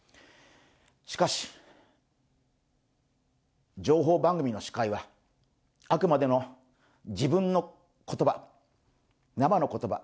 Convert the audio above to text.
しかし、情報番組の司会はあくまでも自分の言葉生の言葉、